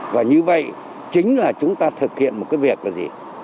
và như vậy chính là chúng ta thực hiện một cái việc là gì